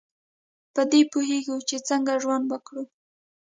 په دې پوهیږو چې څنګه ژوند وکړو.